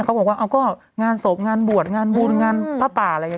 เขาบอกว่าเอาก็งานศพงานบวชงานบุญงานพระป่าอะไรอย่างนี้